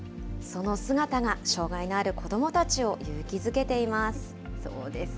その姿が、障害のある子どもたちを勇気づけています。